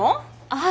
はい。